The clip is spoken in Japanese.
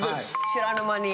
知らぬ間に。